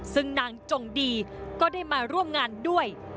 ซึ่งนางจงดีก็ได้มาร่วมงานด้วย